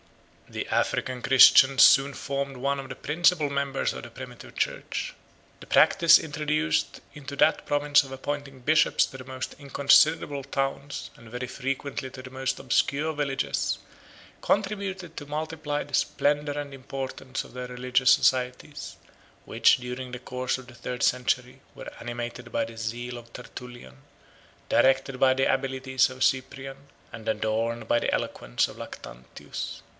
The African Christians soon formed one of the principal members of the primitive church. The practice introduced into that province of appointing bishops to the most inconsiderable towns, and very frequently to the most obscure villages, contributed to multiply the splendor and importance of their religious societies, which during the course of the third century were animated by the zeal of Tertullian, directed by the abilities of Cyprian, and adorned by the eloquence of Lactantius.